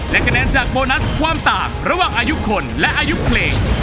และคะแนนจากโบนัสความต่างระหว่างอายุคนและอายุเพลง